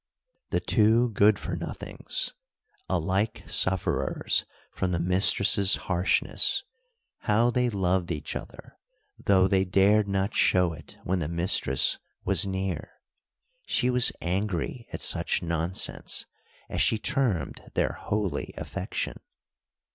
The two "Good for Nothings!" Alike sufferers from the mistress's harshness, how they loved each other, though they dared not show it when the mistress was near. She was angry at such nonsense, as she termed their holy affection.